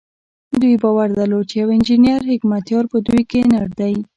دوی باور درلود چې يو انجنير حکمتیار په دوی کې نر دی.